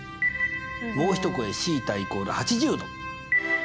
もう一声θ＝８０°。